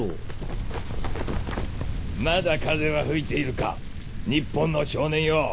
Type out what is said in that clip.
まだ風は吹いているか日本の少年よ。